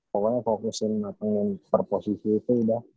pokoknya fokusin ke perposisi itu udah